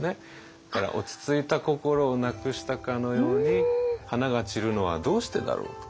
だから落ち着いた心をなくしたかのように「花が散るのはどうしてだろう」と言っている。